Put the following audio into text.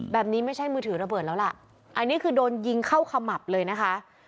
ไม่ใช่มือถือระเบิดแล้วล่ะอันนี้คือโดนยิงเข้าขมับเลยนะคะ